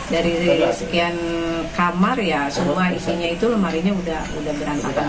dari sekian kamar ya semua isinya itu lemarinya udah berantakan